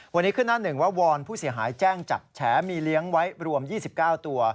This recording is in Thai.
วันนี้ขึ้นหน้าหนึ่งว่าวอนผู้เสียหายแจ้งจับแฉมีเลี้ยงไว้รวม๒๙ตัว